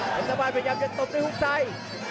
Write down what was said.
พันธบาปยังจะตบในหุ้มใส